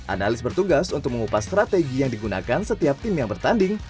analis bertugas untuk mengupas strategi yang digunakan setiap tim yang bertanding